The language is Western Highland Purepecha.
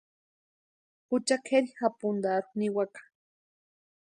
Jucha kʼeri japuntarhu niwaka.